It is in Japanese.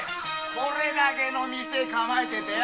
これだけの店構えててよ